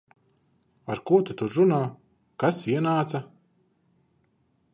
Ar ko tu tur runā? Kas ienāca?